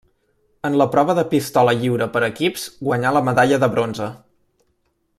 En la prova de Pistola lliure per equips guanyà la medalla de bronze.